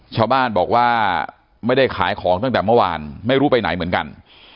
ชาวบ้านบอกว่าไม่ได้ขายของตั้งแต่เมื่อวานไม่รู้ไปไหนเหมือนกัน